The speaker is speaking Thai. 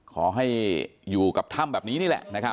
ขอให้อยู่กับถ้ำแบบนี้นี่แหละนะครับ